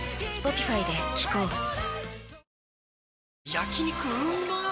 焼肉うまっ